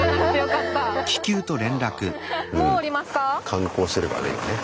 観光してるからね今ね。